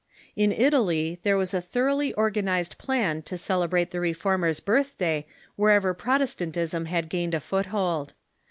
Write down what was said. In Italy there was a thoroughly organized plan to celebrate the Reformer's birthday wherever Protestantism had gaine d a foothold.